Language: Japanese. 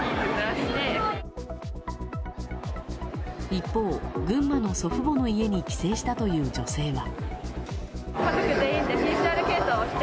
一方、群馬の祖父母の家に帰省したという女性は。